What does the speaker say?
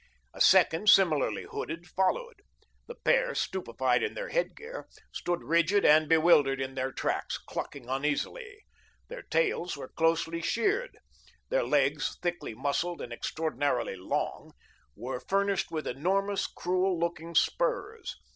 A second, similarly hooded, followed. The pair, stupefied in their headgear, stood rigid and bewildered in their tracks, clucking uneasily. Their tails were closely sheared. Their legs, thickly muscled, and extraordinarily long, were furnished with enormous cruel looking spurs.